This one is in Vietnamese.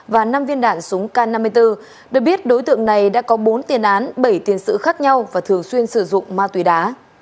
và năm viên đạn súng k năm mươi bốn được biết đối tượng này đã có bốn tiền án bảy tiền sự khác nhau và thường xuyên sử dụng ma túy đá